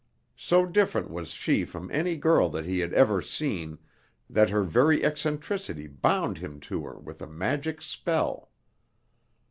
So different was she from any girl that he had ever seen, that her very eccentricity bound him to her with a magic spell.